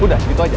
udah gitu aja